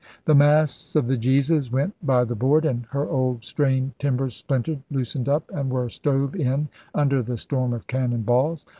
' The masts of the Jesus went by the board and her old, strained timbers splintered, loosened up, and were stove in under the storm of cannon balls.